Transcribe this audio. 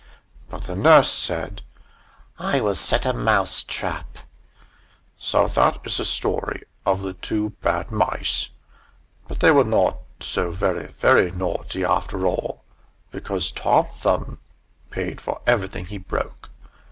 But the nurse said, "I will set a mouse trap!" So that is the story of the two Bad Mice, but they were not so very very naughty after all, because Tom Thumb paid for everything he broke.